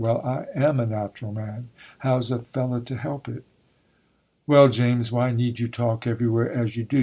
Well, I am a natural man,—how's a fellow to help it?' 'Well, James, why need you talk everywhere as you do?